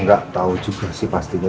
gak tau juga sih pastinya